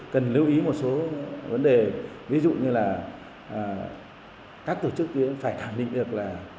đều lưu ý một số vấn đề ví dụ như là các tổ chức phải cảm định được là